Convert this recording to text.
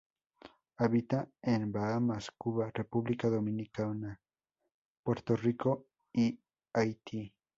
Habita en Bahamas, Cuba, República Dominicana, Puerto Rico y Haití.